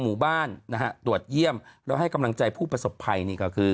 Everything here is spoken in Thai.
หมู่บ้านนะฮะตรวจเยี่ยมแล้วให้กำลังใจผู้ประสบภัยนี่ก็คือ